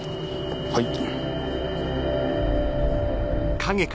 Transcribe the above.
はい。